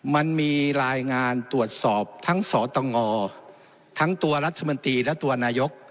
มันมีรายงานตรวจสอบทั้งสตงทั้งตัวรัฐมนตรีและตัวนายก